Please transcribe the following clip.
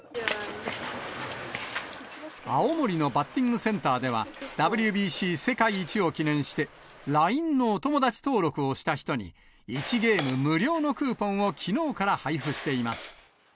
青森のバッティングセンターでは、ＷＢＣ世界一を記念して、ＬＩＮＥのお友達登録をした人に、１ゲーム無料のクーポンをきのうから配布しています。